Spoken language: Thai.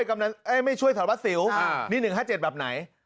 ไม่ช่วยสารวัสสิวนี่๑๕๗แบบไหน